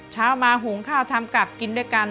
เช้ามาหุงข้าวทำกลับกินด้วยกัน